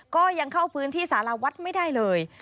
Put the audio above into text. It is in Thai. ก็ยังเข้าพื้นที่สารวัฒน์ไม่ได้เลย